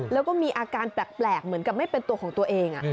แล้วก็มีอาการแปลกเหมือนกับไม่เป็นตัวของตัวเอง